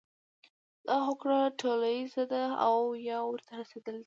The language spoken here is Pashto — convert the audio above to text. دا هوکړه ټولیزه ده او یا ورته رسیدلي دي.